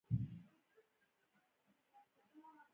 قران کریم د الله ج کلام دی